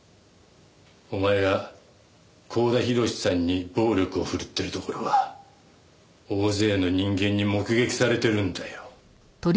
お前が光田廣さんに暴力をふるってるところは大勢の人間に目撃されてるんだよ。